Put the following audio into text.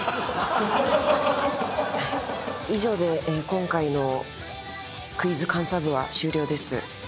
以上で今回のクイズ監査部は終了です。